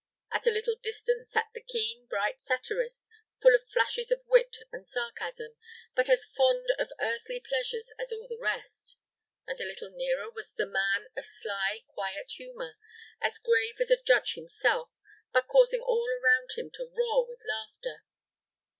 At a little distance sat the keen bright satirist, full of flashes of wit and sarcasm, but as fond of earthly pleasures as all the rest; and a little nearer was the man of sly quiet humor, as grave as a judge himself, but causing all around him to roar with laughter.